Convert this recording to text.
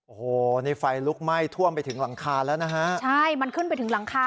โอ้โหนี่ไฟลุกไหม้ท่วมไปถึงหลังคาแล้วนะฮะใช่มันขึ้นไปถึงหลังคา